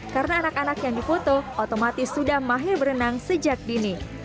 karena anak anak yang difoto otomatis sudah mahir berenang sejak dini